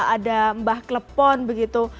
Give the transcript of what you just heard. ada mbak klepon begitu